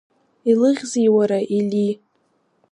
Илыхьзеи, уара, Ели?